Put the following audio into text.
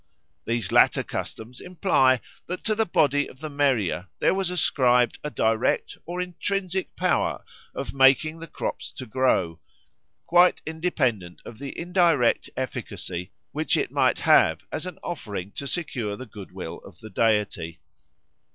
These latter customs imply that to the body of the Meriah there was ascribed a direct or intrinsic power of making the crops to grow, quite independent of the indirect efficacy which it might have as an offering to secure the good will of the deity.